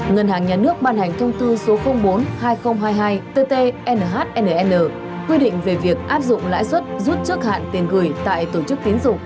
ngân hàng nhà nước ban hành thông tư số bốn hai nghìn hai mươi hai tt nhnn quy định về việc áp dụng lãi suất rút trước hạn tiền gửi tại tổ chức tiến dụng